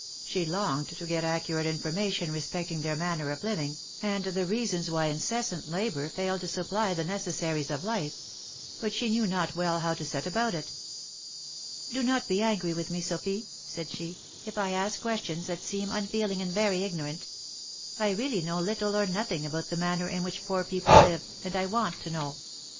She longed to get accurate information re specting their manner of living, and the reasons why incessant labour failed to supply the necessaries of life ; but she knew not well how to set about it. " Do not be angry with me, Sophy," said she, " if I ask questions that seem unfeeling and very ignorant. I really know little or nothing about the manner in which poor people live, and I want to know.